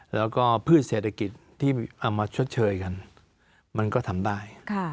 แล้วก็พืชเศรษฐกิจที่เอามาชดเชยกันมันก็ทำได้